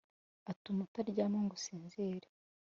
atuma utaryama ngo usinzire